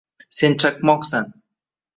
Sen chaqmoqsan